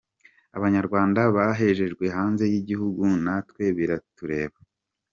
Abanyarwanda bahejejwe hanze y’igihugu natwe biratureba.